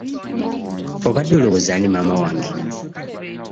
Obadde olowooza ani maama wange?